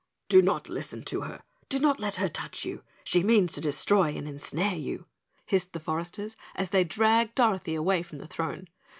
"Do not listen to her. Do not let her touch you. She means to destroy and ensnare you," hissed the foresters as they dragged Dorothy away from the throne.